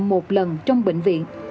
một lần trong bệnh viện